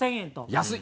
安い！